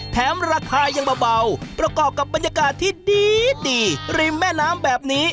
แถมราคายังเบาประกอบกับบรรยากาศที่ดีริมแม่น้ำแบบนี้